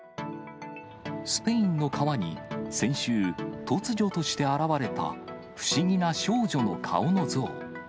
スペインの川に、先週、突如として現れた不思議な少女の顔の像。